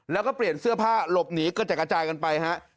แล้วก็เปลี่ยนเสื้อผ้าหลบหนีกระจัดกระจายกันไปฮะ